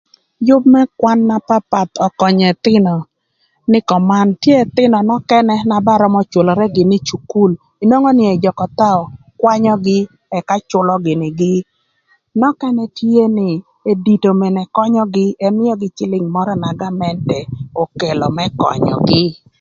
Yüb më kwan na papath ökönyö ëthïnö nï köman: tye ëthïnö nökënë na ba römö cülërë gïnï ï cukul inwongo nï ëjököthaü kwanyögï ëka cülö gïnï gï, nökënë tye nï edito mene könyögï ëmïögï cïlïng mörö na gamenti ökëlö më könyögï.